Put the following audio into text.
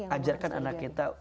ajarkan anak kita